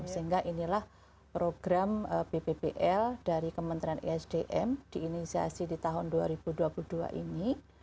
sehingga inilah program bppl dari kementerian esdm diinisiasi di tahun dua ribu dua puluh dua ini